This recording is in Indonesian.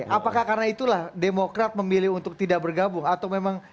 apakah karena itulah demokrat memilih untuk tidak bergabung atau memang